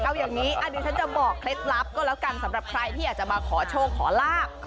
เอาอย่างนี้ดิฉันจะบอกเคล็ดลับก็แล้วกันสำหรับใครที่อยากจะมาขอโชคขอลาบ